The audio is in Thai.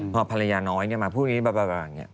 พอภรรยาน้อยเนี่ยมาพูดอย่างนี้แบบ